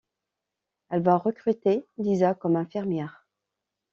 Elle va recruter Liza comme infirmière.